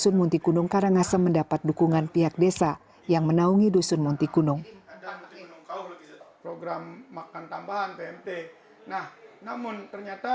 pendukungan pihak desa yang menaungi dusun munti gunung program makan tambahan pmt nah namun ternyata